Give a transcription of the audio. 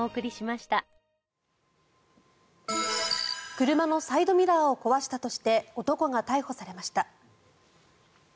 車のサイドミラーを壊したとして男が逮捕されました。